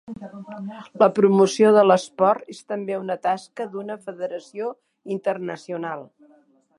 La promoció de l'esport és també una tasca d'una federació internacional.